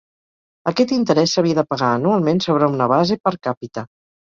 Aquest interès s'havia de pagar anualment sobre una base per càpita.